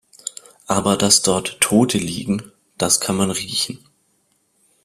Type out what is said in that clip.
Aber dass dort Tote liegen, das kann man riechen.